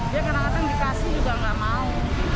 dia kadang kadang dikasih juga nggak mau